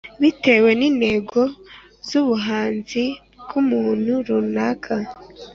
bitewe n’intego z’ubuhanzi bw’umuntu runaka,